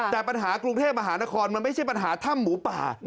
แต่ปัญหากรุงเทพมหานครมันไม่ใช่ปัญหาถ้ำหมูป่า